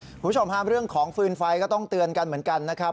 คุณผู้ชมฮะเรื่องของฟืนไฟก็ต้องเตือนกันเหมือนกันนะครับ